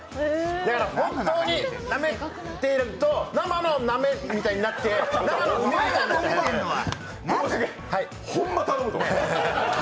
だから本当になめていると、生のなめみたいになってともしげ、ホンマ頼むぞ！